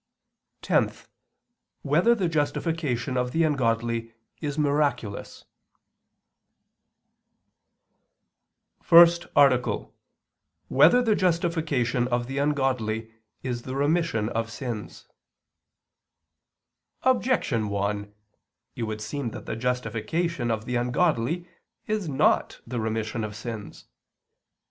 (10) Whether the justification of the ungodly is miraculous? ________________________ FIRST ARTICLE [I II, Q. 113, Art. 1] Whether the Justification of the Ungodly Is the Remission of Sins? Objection 1: It would seem that the justification of the ungodly is not the remission of sins.